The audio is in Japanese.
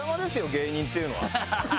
芸人っていうのは。